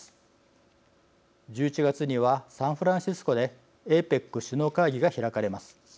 １１月にはサンフランシスコでＡＰＥＣ首脳会議が開かれます。